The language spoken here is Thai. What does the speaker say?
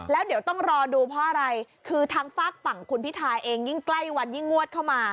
แล้วเดี๋ยวต้องรอดูเพราะอะไรคือทางฝากฝั่งคุณพิทาเองยิ่งใกล้วันยิ่งงวดเข้ามา